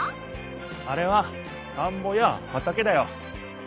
あれは田んぼや畑だよ。